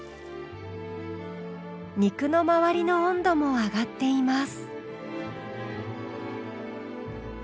肉の周りの温度も上がっています。